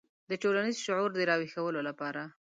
د ټولنیز شعور د راویښولو لپاره.